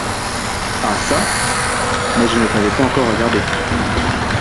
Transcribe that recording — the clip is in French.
Ah çà ! mais je ne t’avais pas encore regardé…